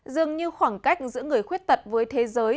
dường như khoảng cách giữa người khuyết tật với thế giới